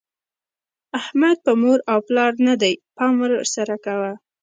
احمد په مور او پلار نه دی؛ پام ور سره کوه.